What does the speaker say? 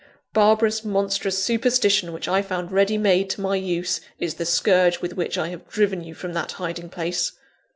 barbarous, monstrous superstition, which I found ready made to my use, is the scourge with which I have driven you from that hiding place.